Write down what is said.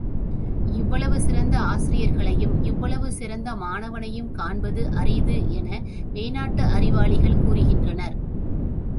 இவ்வளவு சிறந்த ஆசிரியர்களையும் இவ்வளவு சிறந்த மாணவனையும் காண்பது அரிது என மேனாட்டு அறிவாளிகள் கூறுகின்றனர்.